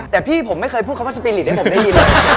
แต่พี่ผมไม่เคยพูดคำว่าสปีริตให้ผมได้ยินเลย